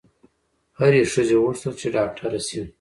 هري ښځي غوښتل چي ډاکټره سي